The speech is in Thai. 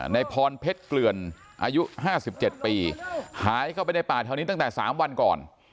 ในพรเพชรเกลือนอายุ๕๗ปีหายเข้าไปในป่าแถวนี้ตั้งแต่๓วันก่อน